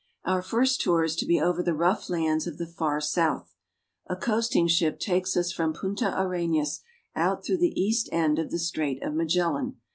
Our first tour is to be over the rough lands of the far south. A coasting ship takes us from Punta Arenas out through the east end of the Strait of Magellan.